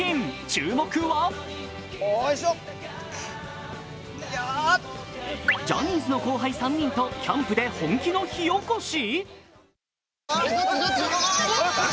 注目はジャニーズの後輩３人とキャンプで本気の火起こし。